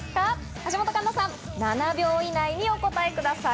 橋本環奈さん、７秒以内にお答えください。